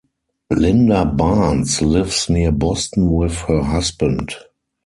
Linda Barnes lives near Boston with her husband.